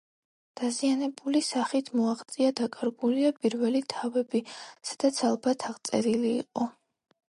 დაზიანებული სახით მოაღწია. დაკარგულია პირველი თავები, სადაც, ალბათ, აღწერილი იყო